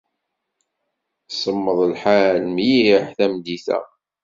Semmeḍ lḥal mliḥ tameddit-a.